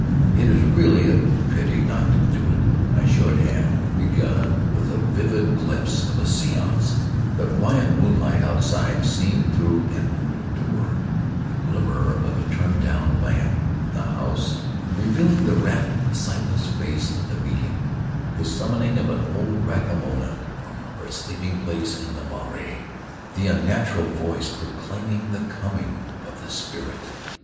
It is really a pity not to do it ! I should have begun with a vivid glimpse of a seance; the quiet moonlight outside, seen through an open door; the glimmer of a turned down lamp in the house, revealing the rapt sightless face o£ the medium; the summoning of old Rakamoana from her sleeping place in the marae; the unnatural voice proclaiming the coming of the spirit.